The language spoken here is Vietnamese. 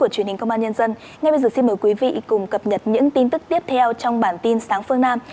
xin mời quý vị cùng cập nhật những tin tức tiếp theo trong bản tin sáng phương nam